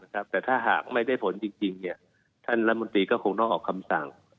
แต่ถ้าหากไม่ได้ผลจริงท่านรัฐมนตรีก็คงต้องออกคำสั่ง